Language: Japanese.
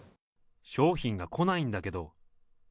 商品来ないんだけど。